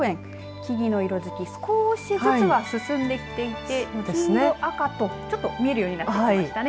木々の色づき少しずつは進んできていて黄色、赤とちょっと見えるようになってきましたね。